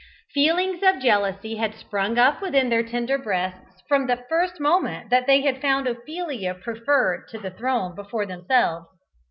Feelings of jealousy had sprung up within their tender breasts, from the first moment that they had found Ophelia preferred to the throne before themselves.